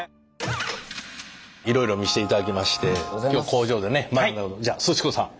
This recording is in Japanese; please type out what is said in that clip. いろいろ見していただきまして今日工場で学んだことじゃあすち子さん